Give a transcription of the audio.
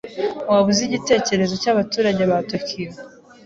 Waba uzi igitekerezo cyabaturage ba Tokiyo?